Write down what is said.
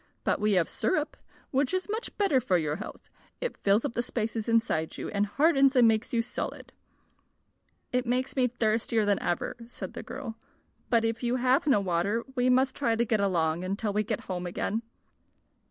But we have syrup, which is much better for your health. It fills up the spaces inside you, and hardens and makes you solid." "It makes me thirstier than ever," said the girl. "But if you have no water we must try to get along until we get home again."